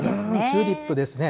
チューリップですね。